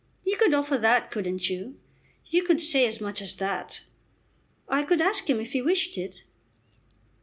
You could offer that, couldn't you? You could say as much as that?" "I could ask him if he wished it."